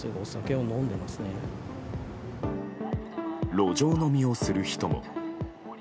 路上飲みをする人も。